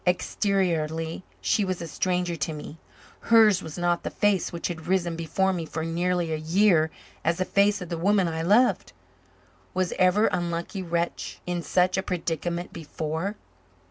Exteriorly, she was a stranger to me; hers was not the face which had risen before me for nearly a year as the face of the woman I loved. Was ever unlucky wretch in such a predicament before?